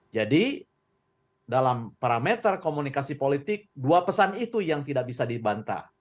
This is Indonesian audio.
jadi dalam parameter komunikasi politik dua pesan itu yang tidak bisa dibantah